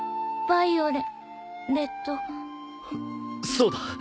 そうだ！